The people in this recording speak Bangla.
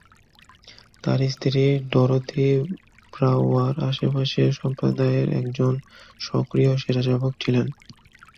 তার স্ত্রী ডরোথি ব্রাউয়ার আশেপাশের সম্প্রদায়ের একজন সক্রিয় স্বেচ্ছাসেবক ছিলেন।